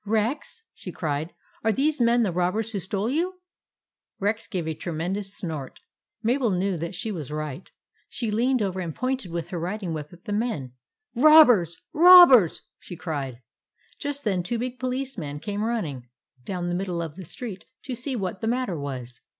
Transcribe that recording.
"Rex," she cried, "are these men the robbers who stole you ? M Rex gave a tremendous snort. Mabel knew that she was right. She leaned over and pointed with her riding whip at the men. " Robbers ! Robbers !" she cried. Just then two big policemen came run ning down the middle of the street to see what the matter was.